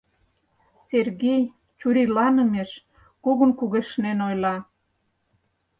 Сергей чурийланымеш кугун кугешнен ойла.